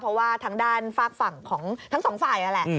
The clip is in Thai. เพราะว่าทางด้านฝากฝั่งของทั้งสองฝ่ายนั่นแหละ